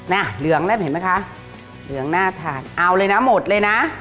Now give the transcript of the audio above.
เหลืองแล้วเห็นไหมคะเหลืองหน้าถาดเอาเลยนะหมดเลยนะ